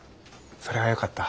それはよかった。